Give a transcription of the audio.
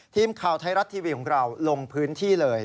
ทีมข่าวไทยรัฐทีวีของเราลงพื้นที่เลย